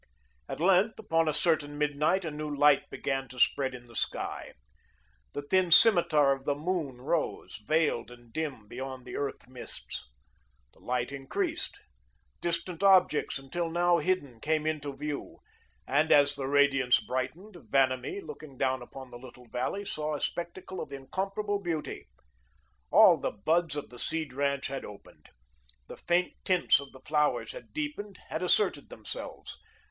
At length, upon a certain midnight, a new light began to spread in the sky. The thin scimitar of the moon rose, veiled and dim behind the earth mists. The light increased. Distant objects, until now hidden, came into view, and as the radiance brightened, Vanamee, looking down upon the little valley, saw a spectacle of incomparable beauty. All the buds of the Seed ranch had opened. The faint tints of the flowers had deepened, had asserted themselves.